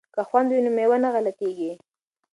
که خوند وي نو مېوه نه غلطیږي.